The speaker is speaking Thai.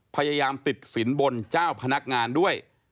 พยายามติดสินบนเจ้าพนักงานด้วย